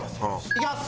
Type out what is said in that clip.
いきます！